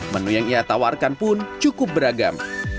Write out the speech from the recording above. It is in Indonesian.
menu yang ia tawarkan pun cukup beragam